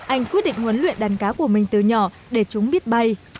anh quyết định huấn luyện đàn cá của mình từ nhỏ để chúng biết bay